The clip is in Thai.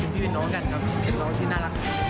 ที่เป็นน้องกันครับเป็นน้องที่น่ารัก